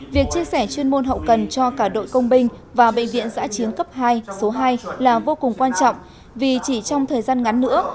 việc chia sẻ chuyên môn hậu cần cho cả đội công binh và bệnh viện giã chiến cấp hai số hai là vô cùng quan trọng vì chỉ trong thời gian ngắn nữa